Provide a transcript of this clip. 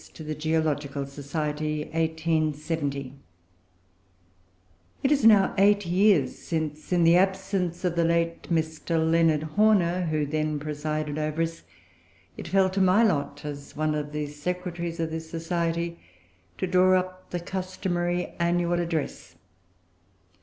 XI PALAEONTOLOGY AND THE DOCTRINE OF EVOLUTION It is now eight years since, in the absence of the late Mr. Leonard Horner, who then presided over us, it fell to my lot, as one of the Secretaries of this Society, to draw up the customary Annual Address.